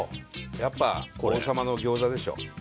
やっぱ王さまの餃子でしょ。